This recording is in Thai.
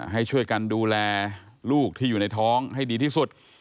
ให้ช่วยกันดูแลลูกที่อยู่ในท้องให้ดีที่สุด